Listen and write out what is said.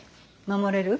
守れる？